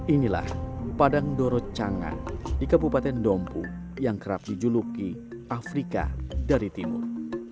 inilah padang dorocanga di kabupaten dompu yang kerap dijuluki afrika dari timur